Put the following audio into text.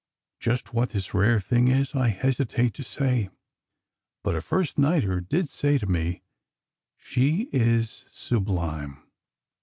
Just what this rare thing is I hesitate to say. But a first nighter did say to me, "She is sublime."